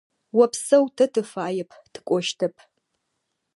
Опсэу, тэ тыфаеп, тыкӏощтэп.